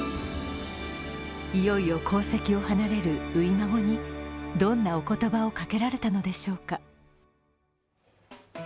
いよいよ皇籍を離れる初孫に、どんなおことばをかけられたのでしょうか。